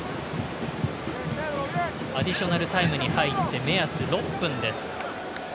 アディショナルタイムに入って目安６分です。